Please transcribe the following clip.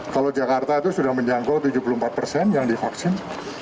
kalau jakarta itu sudah menjangkau tujuh puluh empat persen yang divaksin